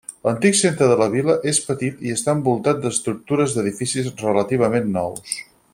L'antic centre de la vila és petit i està envoltat d'estructures d'edificis relativament nous.